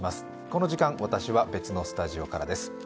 この時間、私は別のスタジオからです。